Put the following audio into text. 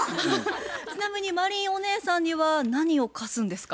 ちなみに真凜お姉さんには何を貸すんですか？